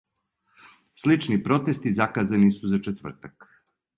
Слични протести заказани су за четвртак.